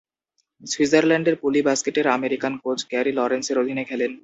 সুইজারল্যান্ডের পুলি বাস্কেটের আমেরিকান কোচ গ্যারি লরেন্সের অধীনে খেলেন।